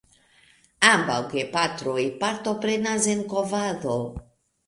Ambaŭ gepatroj partoprenas en kovado.